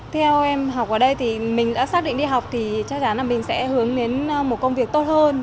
theo em học ở đây thì mình đã xác định đi học thì chắc chắn là mình sẽ hướng đến một công việc tốt hơn